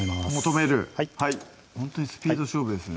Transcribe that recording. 止めるほんとにスピード勝負ですね